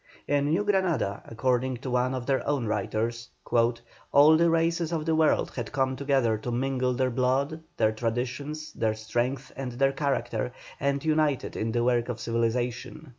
In New Granada, according to one of their own writers, "all the races of the world had come together to mingle their blood, their traditions, their strength, and their character, and united in the work of civilization."